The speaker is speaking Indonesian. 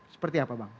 seperti apa bang